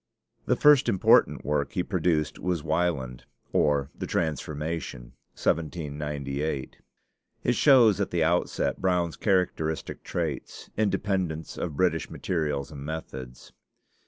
The first important work he produced was 'Wieland: or the Transformation' (1798). It shows at the outset Brown's characteristic traits independence of British materials and methods.